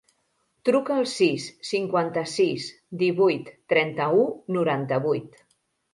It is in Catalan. Truca al sis, cinquanta-sis, divuit, trenta-u, noranta-vuit.